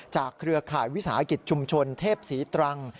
เครือข่ายวิสาหกิจชุมชนเทพศรีตรัง